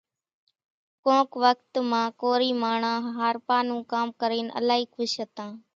ڪونڪ وکت مان ڪورِي ماڻۿان هارپا نون ڪام ڪرينَ الائِي کُش هوتان۔